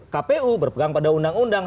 kpu berpegang pada undang undang